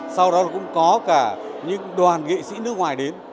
sau đó cũng có cả những đoàn nghệ sĩ nước ngoài đến